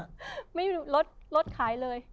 ไม่มีหรอกรดขายเลย